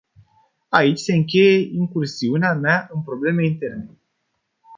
Aici se încheie incursiunea mea în problemele interne.